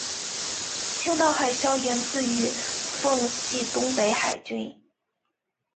青岛海校源自于奉系东北海军。